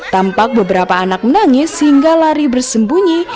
tampak beberapa anak menangis hingga lari bersembunyi